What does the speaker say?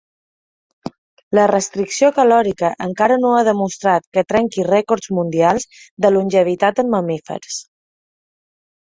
La restricció calòrica encara no ha demostrat que trenqui records mundials de longevitat en mamífers.